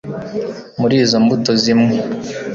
muri izo mbuto zimwe